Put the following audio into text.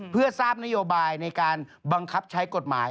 เพื่อทราบนโยบายในการบังคับใช้กฎหมาย